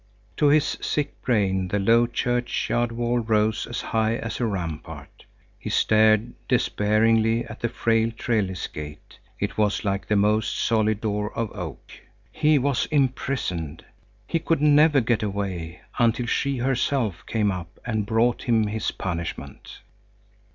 To his sick brain the low churchyard wall rose as high as a rampart. He stared despairingly at the frail trellis gate; it was like the most solid door of oak. He was imprisoned. He could never get away, until she herself came up and brought him his punishment.